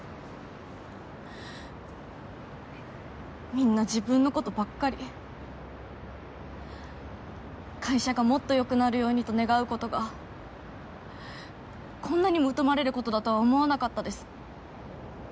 みんな自分のことばっかり会社がもっとよくなるようにと願うことがこんなにも疎まれることだとは思わなかったです